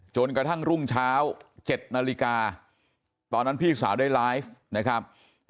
จนกระทั่งรุ่งเช้า๗นาฬิกาตอนนั้นพี่สาวได้ไลฟ์นะครับ